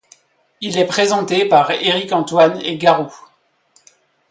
Il est présenté par Éric Antoine et Garou.